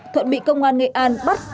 thuận bị công an nghệ an bắt